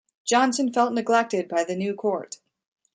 Jonson felt neglected by the new court.